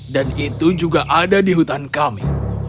dan itu juga ada di hutan kami